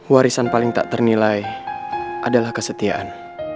warisan paling tak ternilai adalah kesetiaan